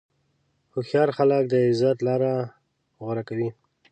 هوښیار خلک د عزت لاره غوره کوي.